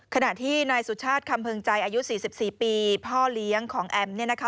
ขณะที่นายสุชาติคำเพิงใจอายุ๔๔ปีพ่อเลี้ยงของแอมเนี่ยนะคะ